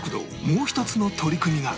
もう一つの取り組みが